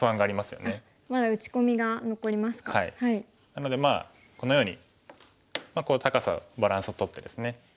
なのでこのように高さバランスをとってですね